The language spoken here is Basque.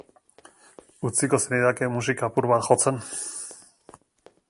Utziko zenidake musika apur bat jotzen?